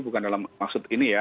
bukan dalam maksud ini ya